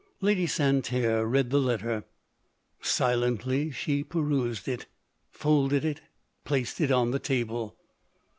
Lady Santerre read the letter ; silently she perused it — folded it — placed it on the table.